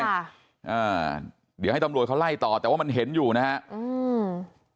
อ่าเดี๋ยวให้ตำรวจเขาไล่ต่อแต่ว่ามันเห็นอยู่นะฮะอืม